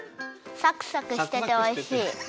サクサクしてておいしい。